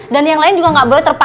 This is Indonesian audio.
dan yang lain juga ga boleh terpaksa